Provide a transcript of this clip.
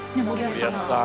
森保さん。